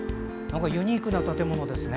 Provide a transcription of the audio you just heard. ユニークな建物ですね。